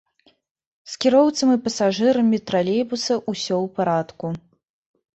З кіроўцам і пасажырамі тралейбуса ўсё ў парадку.